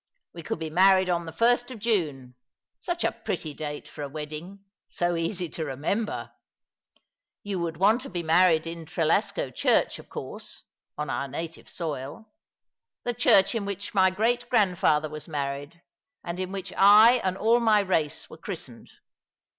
We could be married on the first of June — such a pretty date for a wedding! So easy to remember! You would want to be married in Trelasco Church, of course ; on our native soil. The church in which my great grandfather was married, and in which I and all my race were christened